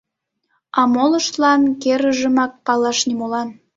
А молыштлан керыжымак палаш нимолан.